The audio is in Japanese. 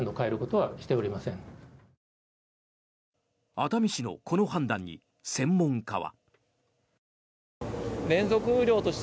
熱海市のこの判断に専門家は。